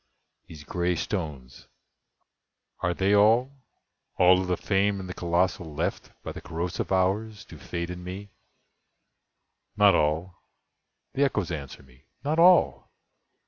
these gray stones—are they all— All of the famed, and the colossal left By the corrosive Hours to Fate and me? "Not all"—the Echoes answer me—"not all!